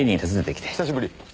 久しぶり。